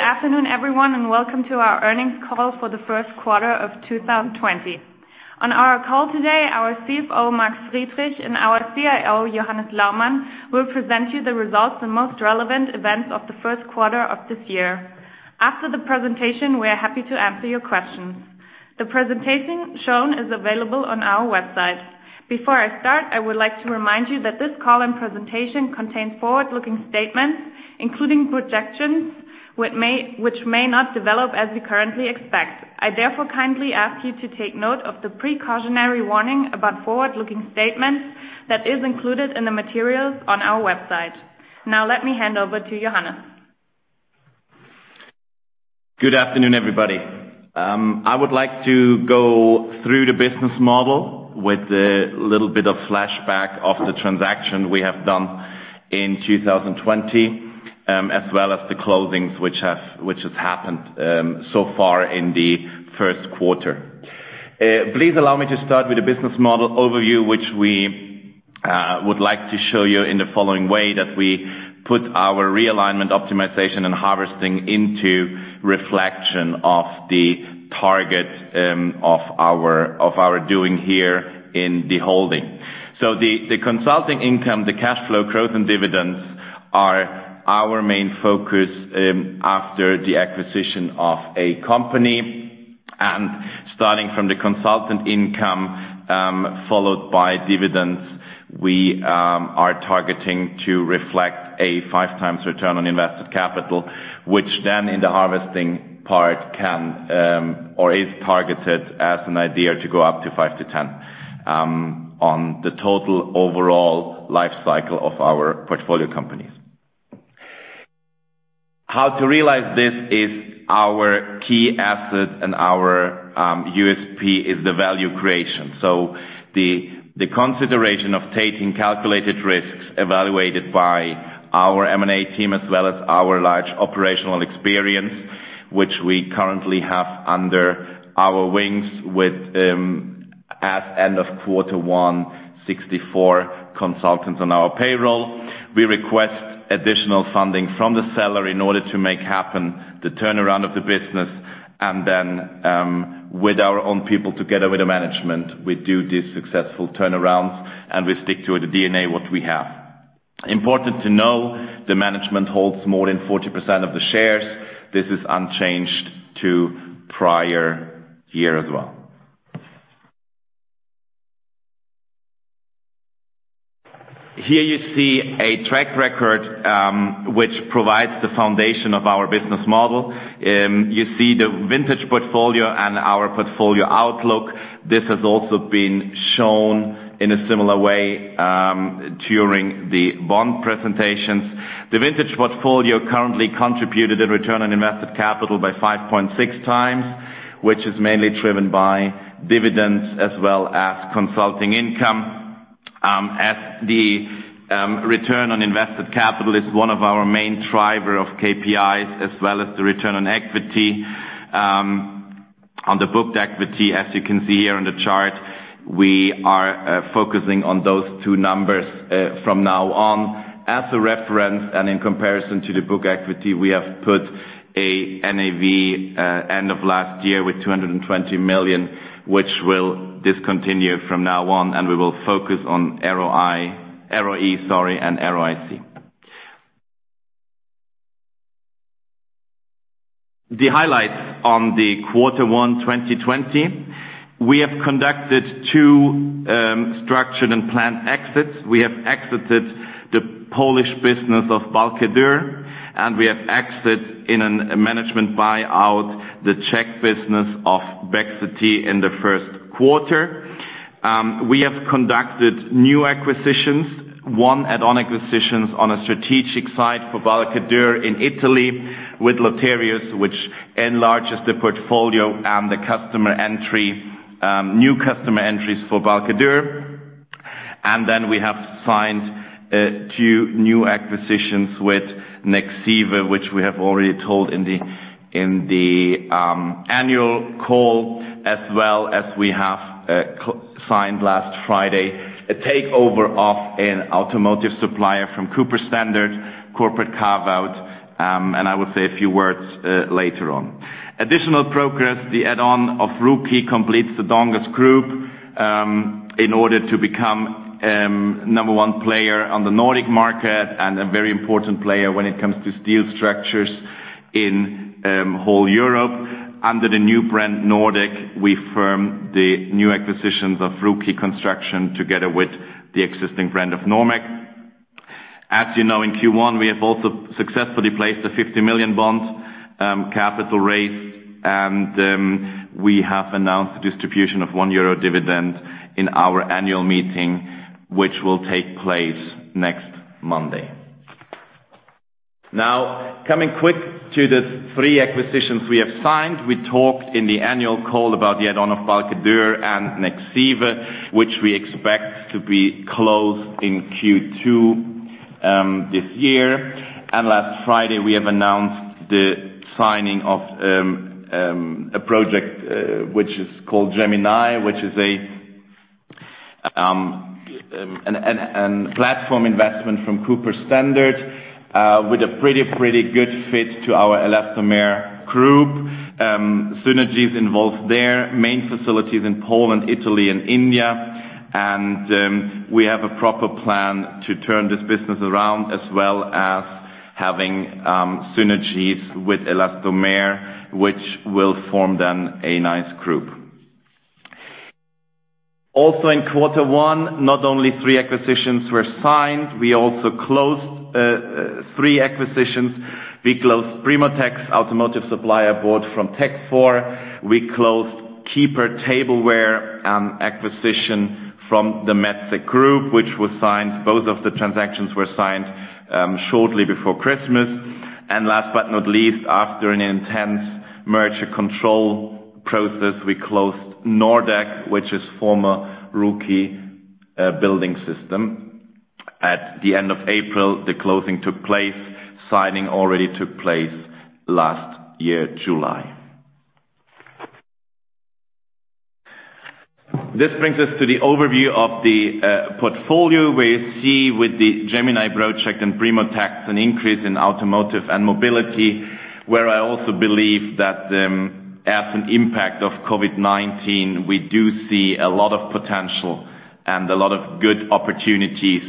Good afternoon, everyone, and welcome to our earnings call for the first quarter of 2020. On our call today, our CFO, Mark Friedrich, and our CIO, Johannes Laumann, will present you the results and most relevant events of the first quarter of this year. After the presentation, we are happy to answer your questions. The presentation shown is available on our website. Before I start, I would like to remind you that this call and presentation contains forward-looking statements, including projections, which may not develop as we currently expect. I therefore kindly ask you to take note of the precautionary warning about forward-looking statements that is included in the materials on our website. Now let me hand over to Johannes. Good afternoon, everybody. I would like to go through the business model with a little bit of flashback of the transaction we have done in 2020, as well as the closings which have happened so far in the first quarter. Please allow me to start with a business model overview, which we would like to show you in the following way, that we put our realignment, optimization, and harvesting into reflection of the target of our doing here in the holding. The consulting income, the cash flow growth, and dividends are our main focus after the acquisition of a company. Starting from the consultant income, followed by dividends, we are targeting to reflect a five times return on invested capital, which then in the harvesting part can, or is targeted as an idea to go up to 5 to 10 on the total overall life cycle of our portfolio companies. How to realize this is our key asset and our USP is the value creation. The consideration of taking calculated risks evaluated by our M&A team as well as our large operational experience, which we currently have under our wings with, as end of quarter one, 64 consultants on our payroll. We request additional funding from the seller in order to make happen the turnaround of the business and then, with our own people together with the management, we do the successful turnarounds and we stick to the DNA, what we have. Important to know, the management holds more than 40% of the shares. This is unchanged to prior year as well. Here you see a track record, which provides the foundation of our business model. You see the vintage portfolio and our portfolio outlook. This has also been shown in a similar way during the bond presentations. The vintage portfolio currently contributed a return on invested capital by 5.6 times, which is mainly driven by dividends as well as consulting income. As the return on invested capital is one of our main driver of KPIs as well as the return on equity. On the booked equity, as you can see here on the chart, we are focusing on those two numbers from now on. As a reference and in comparison to the book equity, we have put a NAV, end of last year with 220 million, which will discontinue from now on, and we will focus on ROE, sorry, and ROIC. The highlights on the Q1 2020. We have conducted two structured and planned exits. We have exited the Polish business of Balcke-Dürr, and we have exit in a management buyout the Czech business of BEXity in the first quarter. We have conducted new acquisitions, one add-on acquisitions on a strategic side for Balcke-Dürr in Italy with Loterios, which enlarges the portfolio and the new customer entries for Balcke-Dürr. Then we have signed two new acquisitions with Nexive, which we have already told in the annual call as well as we have signed last Friday a takeover of an automotive supplier from Cooper Standard corporate carve-out, and I will say a few words later on. Additional progress, the add-on of Ruukki completes the Donges Group, in order to become number one player on the Nordic market and a very important player when it comes to steel structures in whole Europe. Under the new brand, Nordec, we firmed the new acquisitions of Ruukki Construction together with the existing brand of Normek. As you know, in Q1, we have also successfully placed a 50 million bond, capital raise, and we have announced the distribution of 1 euro dividend in our annual meeting, which will take place next Monday. Coming quick to the three acquisitions we have signed. We talked in the annual call about the add-on of Balcke-Dürr and Nexive, which we expect to be closed in Q2 this year. Last Friday we have announced the signing of a project, which is called Gemini Rail Group, which is a platform investment from Cooper Standard, with a pretty good fit to our Elastomer Solutions. Synergies involved there. Main facilities in Poland, Italy, and India. We have a proper plan to turn this business around as well as having synergies with Elastomer Solutions, which will form then a nice group. Also in quarter one, not only three acquisitions were signed, we also closed three acquisitions. We closed PrimoTECS Automotive Supplier bought from Tekfor. We closed keeeper tableware acquisition from the Metsä Tissue Corporation. Both of the transactions were signed shortly before Christmas. Last but not least, after an intense merger control process, we closed Nordec, which is former Ruukki Building Systems. At the end of April, the closing took place. Signing already took place last year, July. This brings us to the overview of the portfolio, where you see with the Gemini Project and PrimoTECS, an increase in automotive and mobility, where I also believe that as an impact of COVID-19, we do see a lot of potential and a lot of good opportunities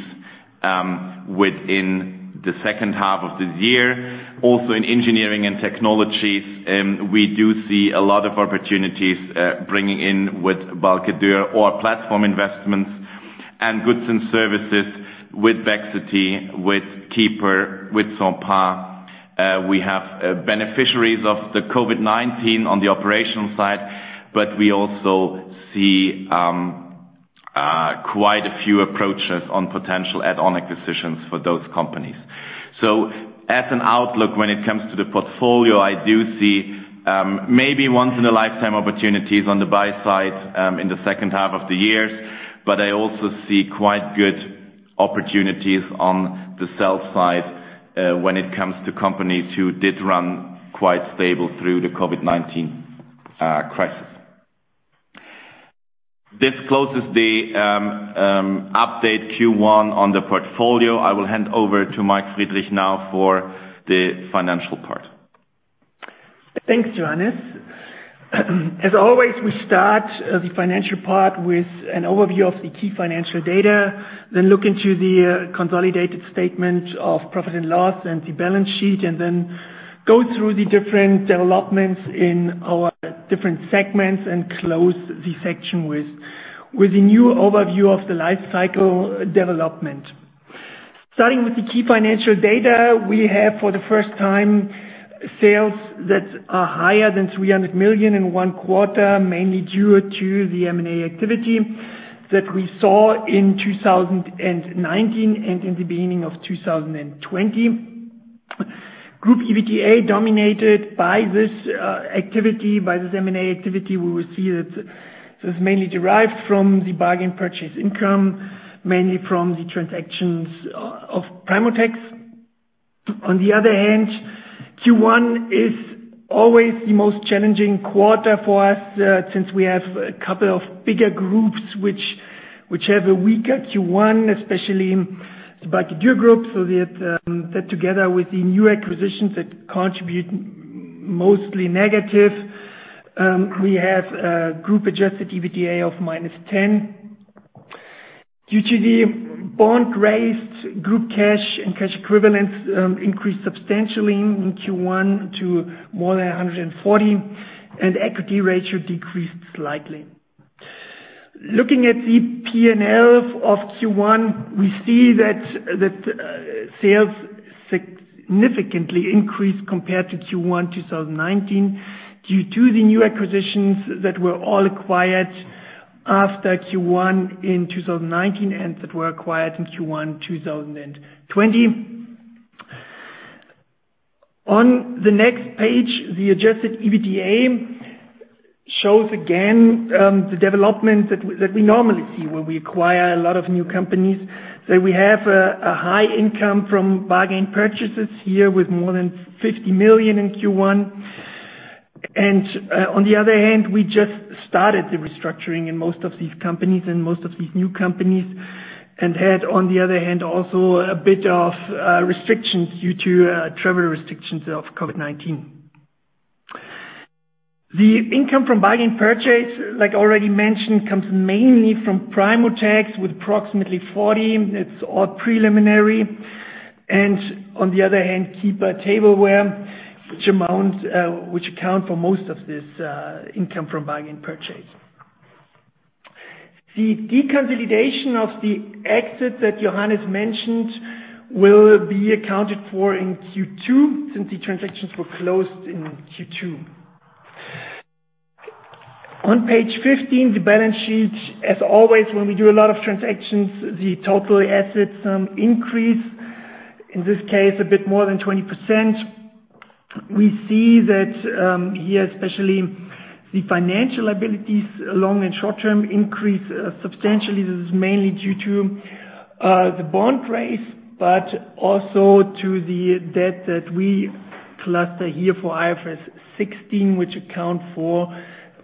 within the second half of this year. Also in engineering and technologies, we do see a lot of opportunities bringing in with Balcke-Dürr or platform investments and goods and services with BEXity, with KICO, with SMP. We have beneficiaries of the COVID-19 on the operational side, but we also see quite a few approaches on potential add-on acquisitions for those companies. As an outlook when it comes to the portfolio, I do see maybe once in a lifetime opportunities on the buy side in the second half of the year. I also see quite good opportunities on the sell side, when it comes to companies who did run quite stable through the COVID-19 crisis. This closes the update Q1 on the portfolio. I will hand over to Mark Friedrich now for the financial part. Thanks, Johannes. As always, we start the financial part with an overview of the key financial data, then look into the consolidated statement of profit and loss and the balance sheet, then go through the different developments in our different segments and close the section with the new overview of the life cycle development. Starting with the key financial data, we have for the first time, sales that are higher than 300 million in one quarter, mainly due to the M&A activity that we saw in 2019 and in the beginning of 2020. Group EBITDA dominated by this M&A activity. We will see that this is mainly derived from the bargain purchase income, mainly from the transactions of PrimoTECS. On the other hand, Q1 is always the most challenging quarter for us, since we have a couple of bigger groups which have a weaker Q1, especially the Balcke-Dürr group. That together with the new acquisitions that contribute mostly negative, we have a group-adjusted EBITDA of -10. Due to the bond raised, group cash and cash equivalents increased substantially in Q1 to more than 140, and equity ratio decreased slightly. Looking at the P&L of Q1, we see that sales significantly increased compared to Q1 2019 due to the new acquisitions that were all acquired after Q1 in 2019 and that were acquired in Q1 2020. On the next page, the adjusted EBITDA shows again, the development that we normally see when we acquire a lot of new companies. We have a high income from bargain purchases here with more than 50 million in Q1. On the other hand, we just started the restructuring in most of these companies and most of these new companies and had on the other hand, also a bit of restrictions due to travel restrictions of COVID-19. The income from bargain purchase, like already mentioned, comes mainly from PrimoTECS with approximately 40. It's all preliminary. On the other hand, keeeper tableware, which account for most of this income from bargain purchase. The deconsolidation of the exits that Johannes mentioned will be accounted for in Q2, since the transactions were closed in Q2. On page 15, the balance sheet, as always, when we do a lot of transactions, the total assets increase. In this case, a bit more than 20%. We see that here, especially the financial liabilities, long and short-term increase substantially. This is mainly due to the bond raise, but also to the debt that we cluster here for IFRS 16, which account for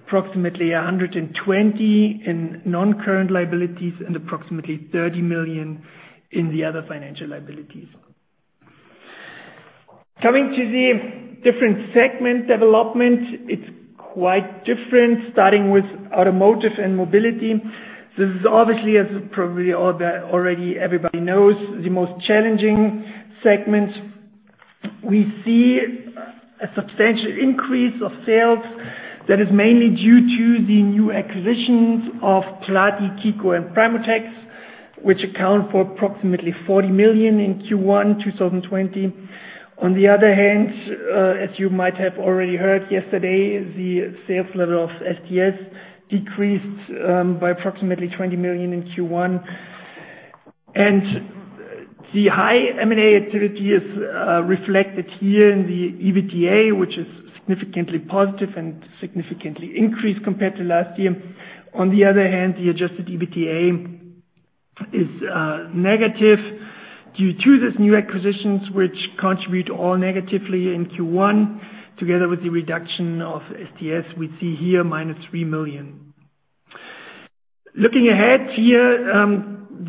approximately 120 million in non-current liabilities and approximately 30 million in the other financial liabilities. Coming to the different segment development, it's quite different, starting with automotive and mobility. This is obviously, as probably already everybody knows, the most challenging segment. We see a substantial increase of sales that is mainly due to the new acquisitions of Plati, KICO, and PrimoTECS, which account for approximately 40 million in Q1 2020. On the other hand, as you might have already heard yesterday, the sales level of STS decreased by approximately 20 million in Q1. The high M&A activity is reflected here in the EBITDA, which is significantly positive and significantly increased compared to last year. On the other hand, the adjusted EBITDA is negative due to these new acquisitions, which contribute all negatively in Q1. Together with the reduction of STS, we see here minus 3 million. Looking ahead here,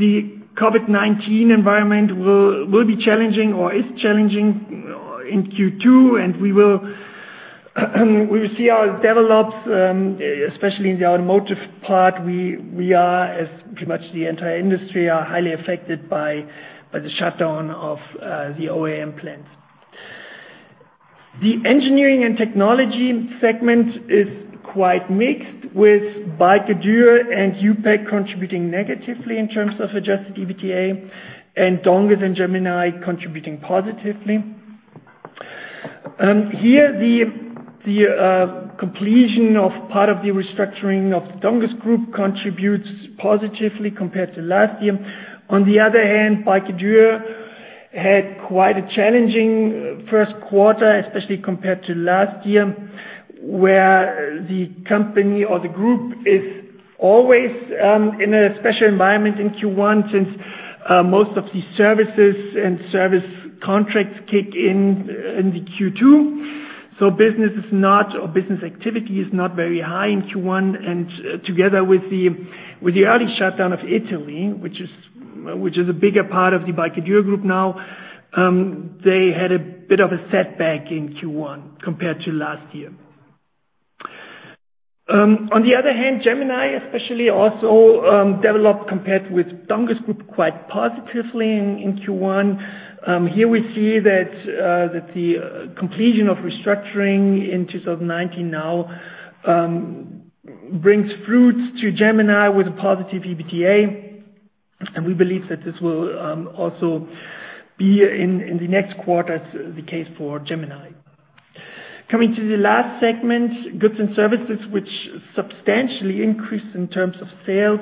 the COVID-19 environment will be challenging or is challenging in Q2, and we will see how it develops, especially in the automotive part. We are, as pretty much the entire industry, highly affected by the shutdown of the OEM plants. The engineering and technology segment is quite mixed with Balcke-Dürr and EUPEC contributing negatively in terms of adjusted EBITDA, and Donges and Gemini contributing positively. Here, the completion of part of the restructuring of the Donges Group contributes positively compared to last year. On the other hand, Balcke-Dürr had quite a challenging first quarter, especially compared to last year, where the company or the group is always in a special environment in Q1 since most of the services and service contracts kick in in the Q2. Business activity is not very high in Q1, and together with the early shutdown of Italy, which is a bigger part of the Balcke-Dürr Group now, they had a bit of a setback in Q1 compared to last year. On the other hand, Gemini, especially also developed compared with Donges Group quite positively in Q1. Here we see that the completion of restructuring in 2019 now brings fruits to Gemini with a positive EBITDA, and we believe that this will also be, in the next quarters, the case for Gemini. Coming to the last segment, goods and services, which substantially increased in terms of sales.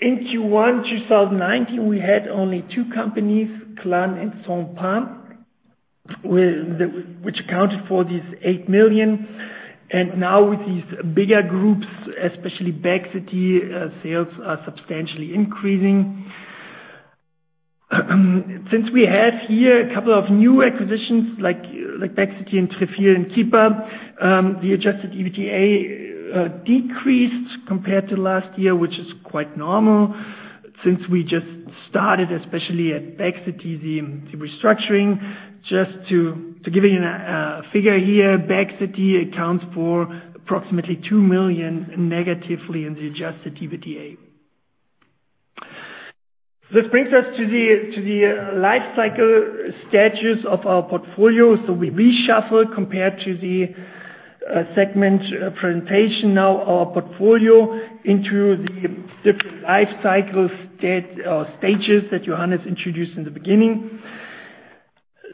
In Q1 2019, we had only two companies, Klann and Cenpa, which accounted for these 8 million. Now with these bigger groups, especially BEXity, sales are substantially increasing. We have here a couple of new acquisitions like BEXity and Trefil and Keepler, the adjusted EBITDA decreased compared to last year, which is quite normal since we just started, especially at BEXity, the restructuring. Just to give you a figure here, BEXity accounts for approximately 2 million negatively in the adjusted EBITDA. This brings us to the life cycle status of our portfolio. We reshuffle, compared to the segment presentation now, our portfolio into the different life cycle stages that Johannes introduced in the beginning.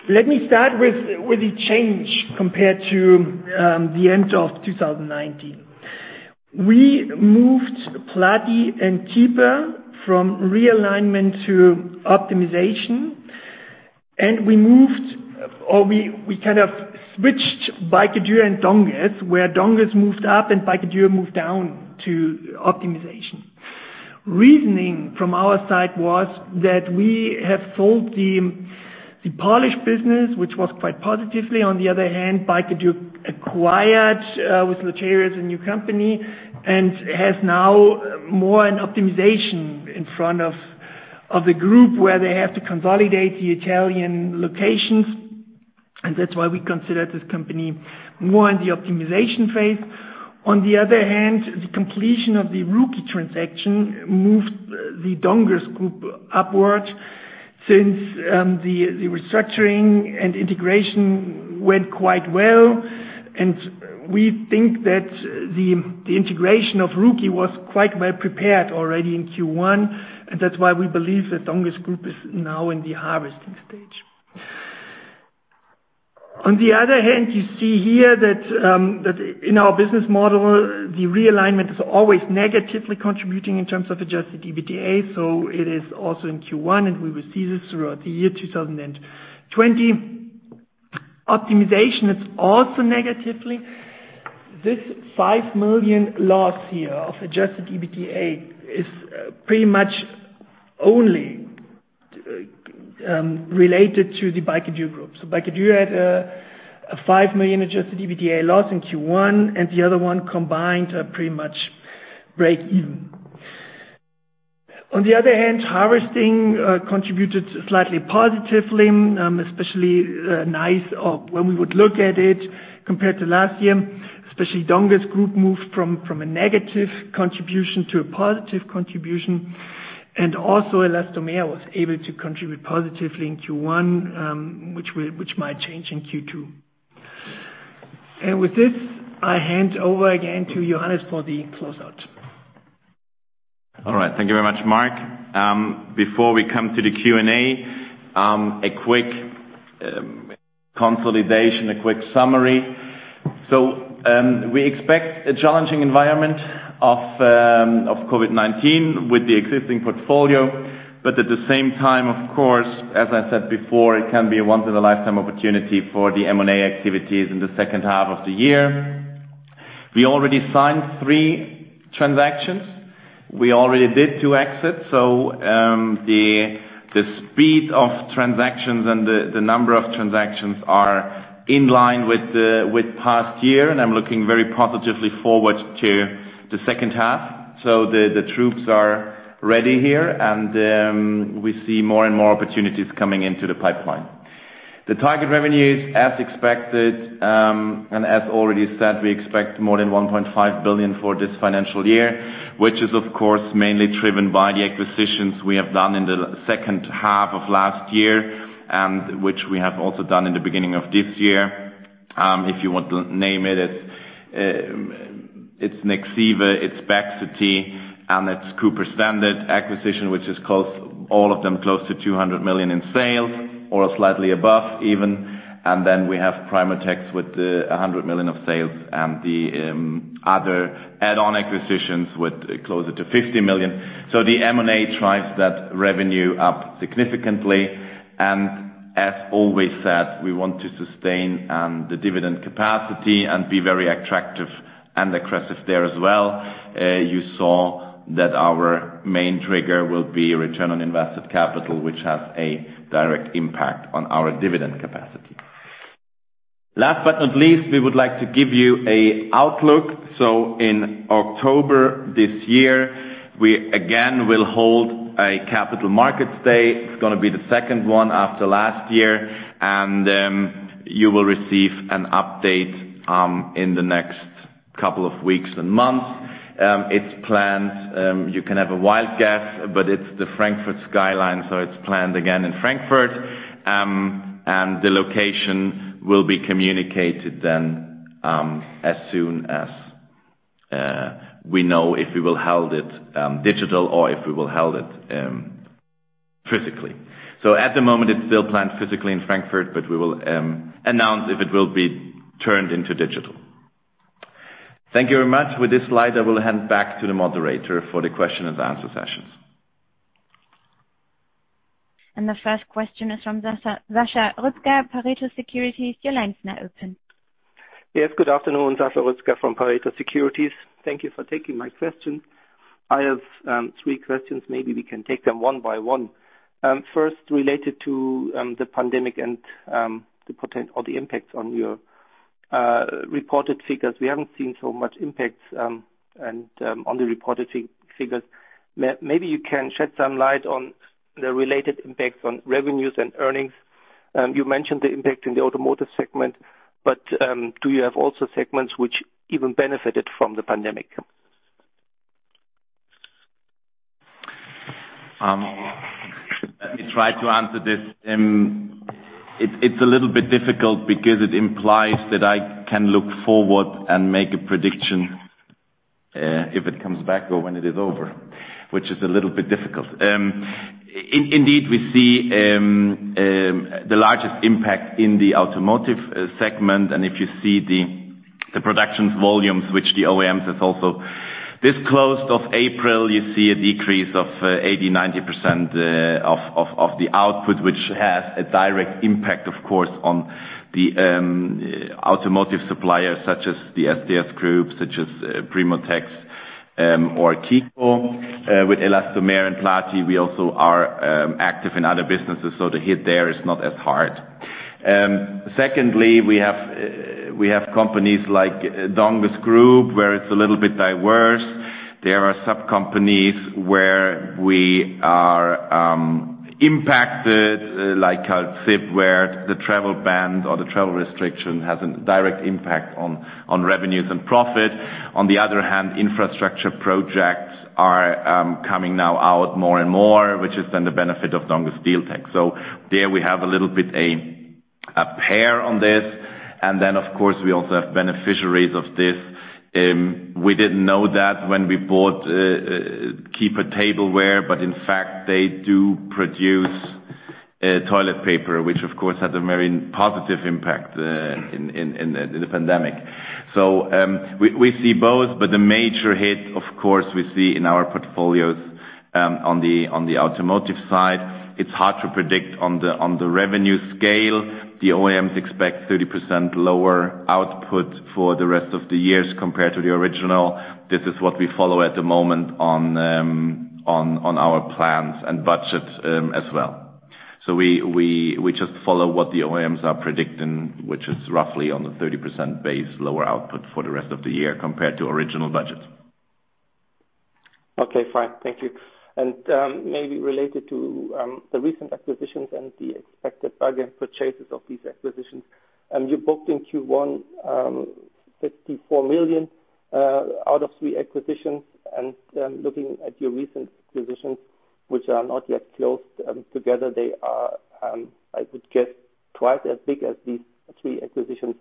Let me start with the change compared to the end of 2019. We moved Plati and Keepler from realignment to optimization. We moved or we kind of switched Balcke-Dürr and Donges, where Donges moved up and Balcke-Dürr moved down to optimization. Reasoning from our side was that we have sold the Polish business, which was quite positively. On the other hand, Balcke-Dürr acquired with Loterios a new company and has now more an optimization in front of the group where they have to consolidate the Italian locations. That's why we consider this company more in the optimization phase. On the other hand, the completion of the Ruukki transaction moved the Donges Group upward since the restructuring and integration went quite well. We think that the integration of Ruukki was quite well prepared already in Q1. That's why we believe the Donges Group is now in the harvesting stage. You see here that in our business model, the realignment is always negatively contributing in terms of adjusted EBITDA. It is also in Q1, and we will see this throughout the year 2020. Optimization, it's also negatively. This 5 million loss here of adjusted EBITDA is pretty much only related to the BEXity Group. BEXity had a 5 million adjusted EBITDA loss in Q1, and the other one combined pretty much break even. Harvesting contributed slightly positively, especially nice or when we would look at it compared to last year, especially Donges Group moved from a negative contribution to a positive contribution. Also Elastomer was able to contribute positively in Q1, which might change in Q2. With this, I hand over again to Johannes for the closeout. All right. Thank you very much, Mark. Before we come to the Q&A, a quick consolidation, a quick summary. We expect a challenging environment of COVID-19 with the existing portfolio, but at the same time, of course, as I said before, it can be a once in a lifetime opportunity for the M&A activities in the second half of the year. We already signed three transactions. We already did two exits. The speed of transactions and the number of transactions are in line with past year, and I'm looking very positively forward to the second half. The troops are ready here. We see more and more opportunities coming into the pipeline. The target revenues, as expected, and as already said, we expect more than 1.5 billion for this financial year, which is of course mainly driven by the acquisitions we have done in the second half of last year, and which we have also done in the beginning of this year. If you want to name it's Nexive, it's BEXity, and it's Cooper Standard acquisition, which is all of them close to 200 million in sales or slightly above even. We have PrimoTECS with 100 million of sales, and the other add-on acquisitions with closer to 50 million. The M&A drives that revenue up significantly. As always said, we want to sustain the dividend capacity and be very attractive and aggressive there as well. You saw that our main trigger will be return on invested capital, which has a direct impact on our dividend capacity. Last but not least, we would like to give you a outlook. In October this year, we again will hold a capital markets day. It's going to be the second one after last year. You will receive an update in the next couple of weeks and months. It's planned, you can have a wild guess, but it's the Frankfurt skyline. It's planned again in Frankfurt. The location will be communicated then, as soon as we know if we will hold it digital or if we will hold it physically. At the moment, it's still planned physically in Frankfurt, but we will announce if it will be turned into digital. Thank you very much. With this slide, I will hand back to the moderator for the question and answer sessions. The first question is from Sascha Rutzger, Pareto Securities. Your line's now open. Yes. Good afternoon. Sascha Rutzger from Pareto Securities. Thank you for taking my question. I have three questions. Maybe we can take them one by one. First, related to the pandemic and the impact on your reported figures. We haven't seen so much impacts on the reported figures. Maybe you can shed some light on the related impacts on revenues and earnings. You mentioned the impact in the automotive segment, but, do you have also segments which even benefited from the pandemic? Let me try to answer this. It's a little bit difficult because it implies that I can look forward and make a prediction if it comes back or when it is over, which is a little bit difficult. Indeed, we see the largest impact in the automotive segment, and if you see the productions volumes, which the OEMs has also disclosed of April, you see a decrease of 80%-90% of the output, which has a direct impact, of course, on the automotive suppliers such as the STS Group, such as PrimoTECS, or KICO. With Elastomer and Plati, we also are active in other businesses, so the hit there is not as hard. Secondly, we have companies like Donges Group, where it's a little bit diverse. There are sub-companies where we are impacted, like Kalzip, where the travel ban or the travel restriction has a direct impact on revenues and profit. Infrastructure projects are coming now out more and more, which is then the benefit of Donges SteelTec. There we have a little bit a pair on this. Of course, we also have beneficiaries of this. We didn't know that when we bought keeeper tableware, but in fact they do produce toilet paper, which of course had a very positive impact in the pandemic. We see both, but the major hit, of course, we see in our portfolios. On the automotive side, it's hard to predict on the revenue scale. The OEMs expect 30% lower output for the rest of the years compared to the original. This is what we follow at the moment on our plans and budget as well. We just follow what the OEMs are predicting, which is roughly on the 30% base, lower output for the rest of the year compared to original budget. Okay, fine. Thank you. Maybe related to the recent acquisitions and the expected bargain purchases of these acquisitions. You booked in Q1, 54 million, out of three acquisitions. Looking at your recent acquisitions, which are not yet closed together, they are, I would guess, twice as big as these three acquisitions.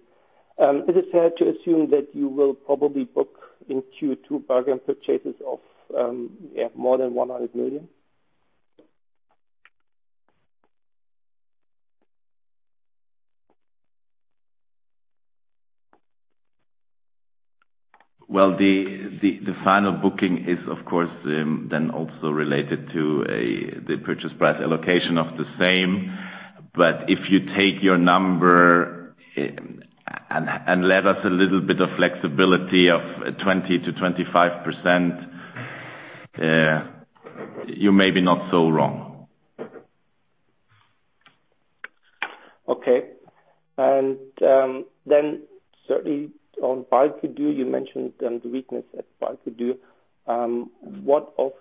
Is it fair to assume that you will probably book in Q2 bargain purchases of more than 100 million? Well, the final booking is, of course, then also related to the purchase price allocation of the same. If you take your number and let us a little bit of flexibility of 20%-25%, you're maybe not so wrong. Okay. Certainly on Balcke-Dürr, you mentioned the weakness at Balcke-Dürr. What of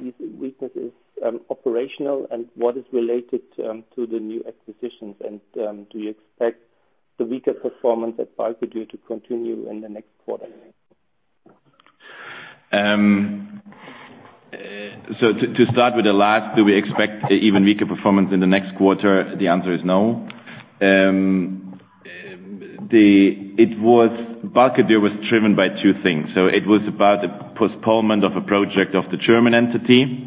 these weaknesses, operational and what is related to the new acquisitions? Do you expect the weaker performance at Balcke-Dürr to continue in the next quarter? To start with the last, do we expect even weaker performance in the next quarter? The answer is no. Balcke-Dürr was driven by two things. It was about the postponement of a project of the German entity.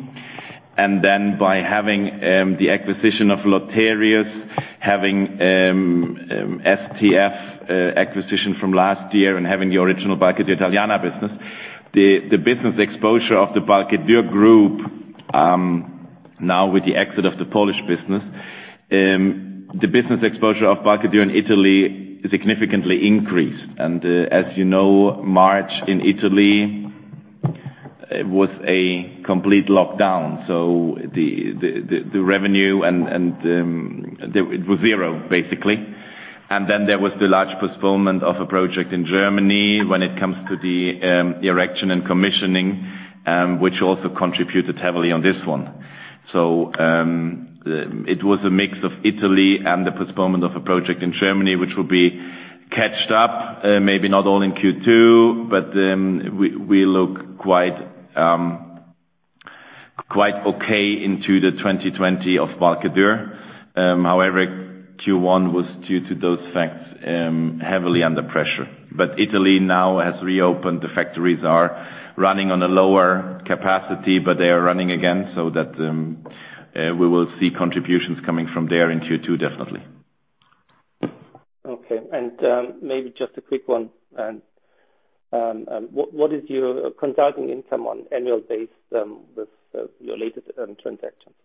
By having the acquisition of Loterios, having STF acquisition from last year and having the original Balcke-Dürr Italiana business. The business exposure of the Balcke-Dürr Group now with the exit of the Polish business. The business exposure of Balcke-Dürr in Italy significantly increased. As you know, March in Italy was a complete lockdown. The revenue it was zero basically. There was the large postponement of a project in Germany when it comes to the erection and commissioning, which also contributed heavily on this one. It was a mix of Italy and the postponement of a project in Germany, which will be caught up, maybe not all in Q2, but then we look quite okay into the 2020 of Balcke-Dürr. Q1 was due to those facts, heavily under pressure. Italy now has reopened. The factories are running on a lower capacity, but they are running again so that we will see contributions coming from there in Q2 definitely. Okay. Maybe just a quick one. What is your consulting income on annual base, with your latest transactions?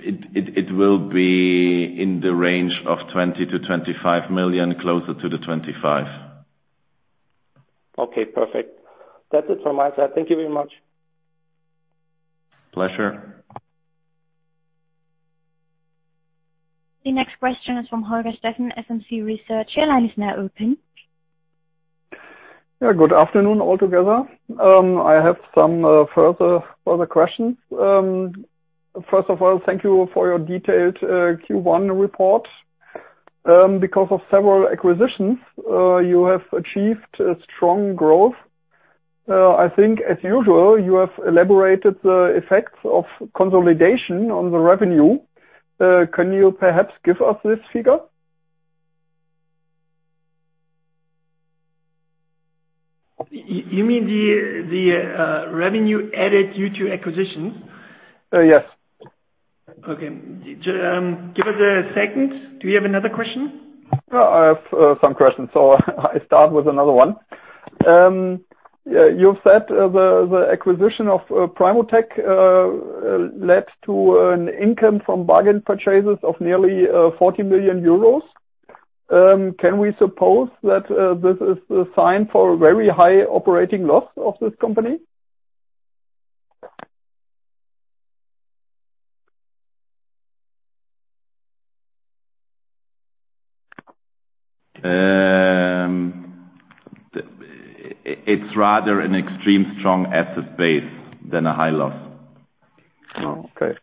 It will be in the range of 20 million-25 million, closer to the 25 million. Okay, perfect. That's it from my side. Thank you very much. Pleasure. The next question is from Holger Steffen, SMC Research. Your line is now open. Yeah. Good afternoon, all together. I have some further questions. First of all, thank you for your detailed Q1 report. Because of several acquisitions, you have achieved a strong growth. I think, as usual, you have elaborated the effects of consolidation on the revenue. Can you perhaps give us this figure? You mean the revenue added due to acquisitions? Yes. Okay. Give us a second. Do you have another question? I have some questions. I start with another one. You've said the acquisition of PrimoTECS led to an income from bargain purchases of nearly 40 million euros. Can we suppose that this is a sign for a very high operating loss of this company? It's rather an extreme strong asset base than a high loss. Oh, okay.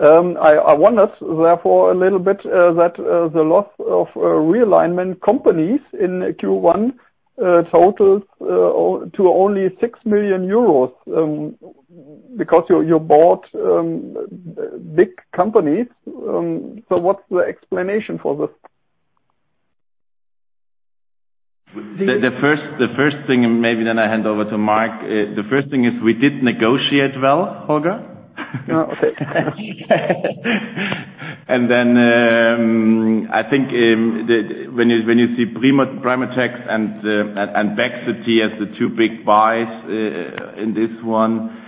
I wonder therefore a little bit that the loss of realignment companies in Q1 totals to only EUR 6 million, because you bought big companies. What's the explanation for this? The first thing, and maybe then I hand over to Mark. The first thing is we did negotiate well, Holger. Yeah, okay. I think when you see PrimoTECS and BEXity as the two big buys in this one.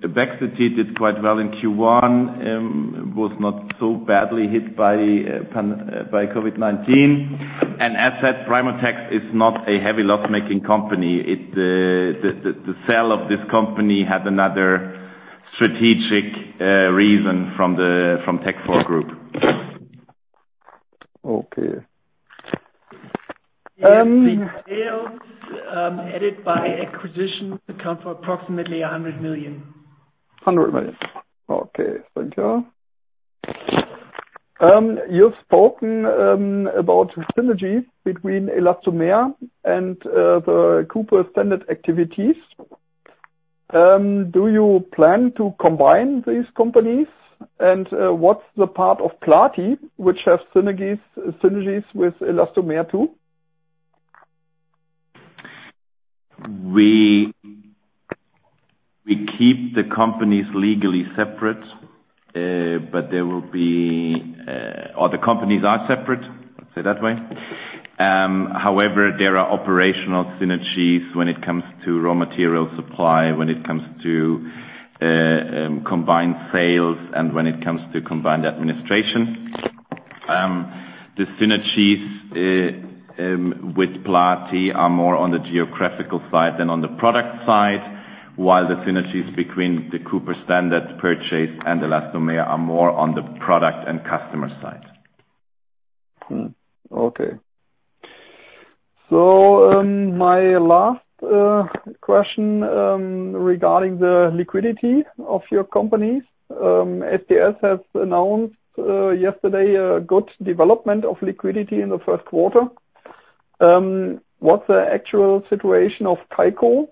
BEXity did quite well in Q1, was not so badly hit by COVID-19. As said, PrimoTECS is not a heavy loss-making company. The sale of this company had another strategic reason from Tekfor Group. Okay. The sales added by acquisitions account for approximately 100 million. 100 million. Okay, thank you. You've spoken about synergies between Elastomer and the Cooper Standard activities. Do you plan to combine these companies? What's the part of Plati which has synergies with Elastomer, too? We keep the companies legally separate, or the companies are separate, let's say it that way. However, there are operational synergies when it comes to raw material supply, when it comes to combined sales, and when it comes to combined administration. The synergies with Plati are more on the geographical side than on the product side, while the synergies between the Cooper Standard purchase and Elastomer are more on the product and customer side. My last question regarding the liquidity of your companies. STS Group has announced yesterday a good development of liquidity in the first quarter. What's the actual situation of KICO?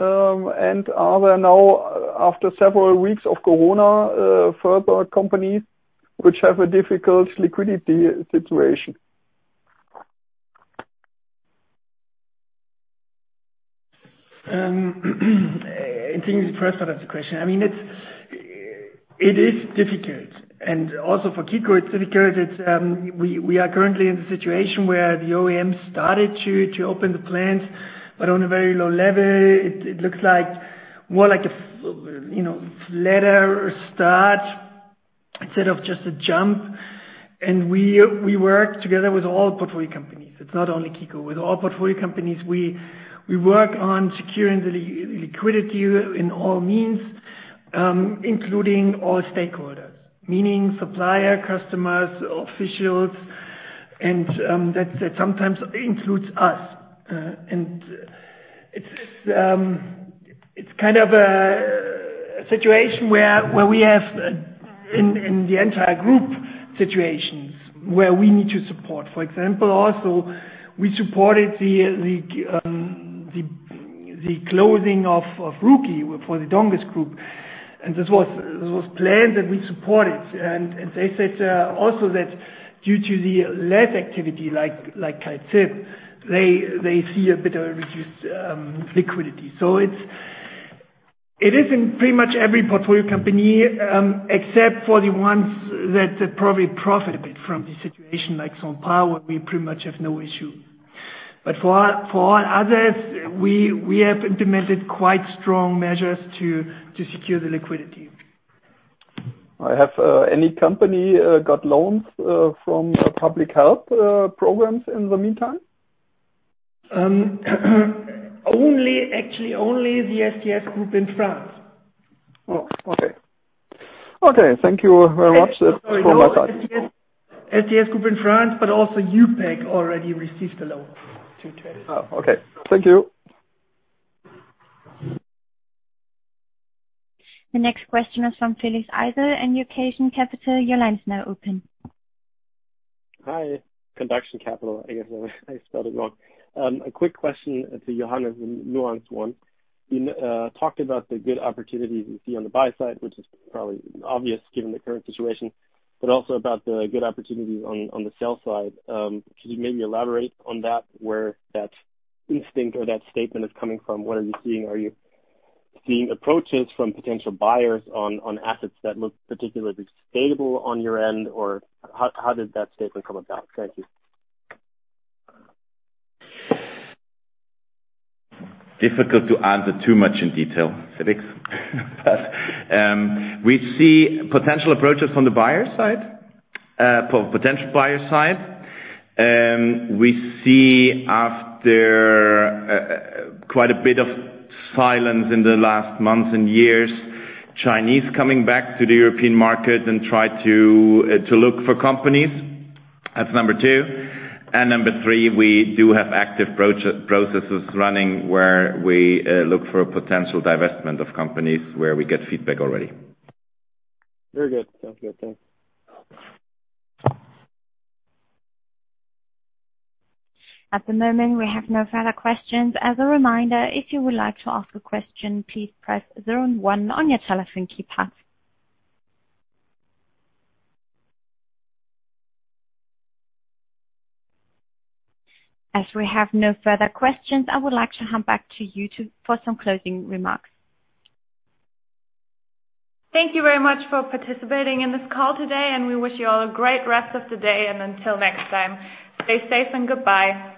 Are there now, after several weeks of COVID, further companies which have a difficult liquidity situation? I think the first part of the question, it is difficult. Also for KICO it's difficult. We are currently in the situation where the OEM started to open the plants, but on a very low level. It looks more like a flatter start instead of just a jump. We work together with all portfolio companies. It's not only KICO. With all portfolio companies, we work on securing the liquidity in all means, including all stakeholders. Meaning suppliers, customers, officials, and that sometimes includes us. It's a situation where we have, in the entire group, situations where we need to support. For example, also, we supported the closing of Ruukki for the Donges Group. This was plans that we supported. They said also that due to the less activity, like Kai said, they see a bit of reduced liquidity. It is in pretty much every portfolio company, except for the ones that probably profit a bit from the situation, like [SunPower], we pretty much have no issue. For all others, we have implemented quite strong measures to secure the liquidity. Has any company got loans from public health programs in the meantime? Actually, only the STS Group in France. Okay. Thank you very much. That's all my time. STS group in France, but also EUPEC already received a loan to trade. Oh, okay. Thank you. The next question is from Felix Eisel from Conduction Capital. Your line is now open. Hi, Conduction Capital. I guess I spelled it wrong. A quick question to Johannes, a nuanced one. You talked about the good opportunities you see on the buy side, which is probably obvious given the current situation, but also about the good opportunities on the sell side. Could you maybe elaborate on that, where that instinct or that statement is coming from? What are you seeing? Are you seeing approaches from potential buyers on assets that look particularly stable on your end, or how did that statement come about? Thank you. Difficult to answer too much in detail, Felix. We see potential approaches from the buyer side, potential buyer side. We see after quite a bit of silence in the last months and years, Chinese coming back to the European market and try to look for companies. That's number 2. Number 3, we do have active processes running where we look for potential divestment of companies, where we get feedback already. Very good. Sounds good. Thanks. At the moment, we have no further questions. As a reminder, if you would like to ask a question, please press zero and one on your telephone keypad. As we have no further questions, I would like to hand back to you two for some closing remarks. Thank you very much for participating in this call today, and we wish you all a great rest of the day, and until next time, stay safe and goodbye.